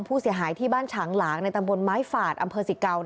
ผู้เสียหายที่บ้านฉางหลังในตำฝนไม้ฝาดอำเภอ๑๙